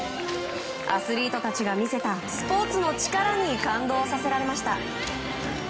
アスリートたちが見せたスポーツの力に感動させられました。